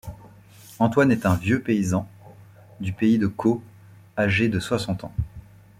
Antoine est un vieux paysan du pays de Caux, âgé de soixante ans.